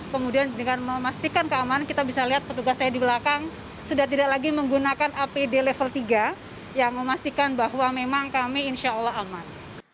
kemudian dengan memastikan keamanan kita bisa lihat petugas saya di belakang sudah tidak lagi menggunakan apd level tiga yang memastikan bahwa memang kami insya allah aman